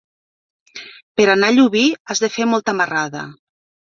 Per anar a Llubí has de fer molta marrada.